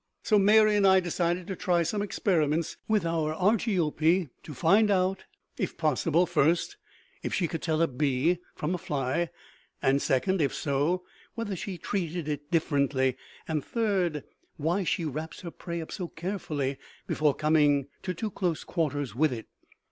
So Mary and I decided to try some experiments with our Argiope to find out, if possible, first, if she could tell a bee from a fly, and second, if so, whether she treated it differently, and third, why she wraps her prey up so carefully before coming to too close quarters with it.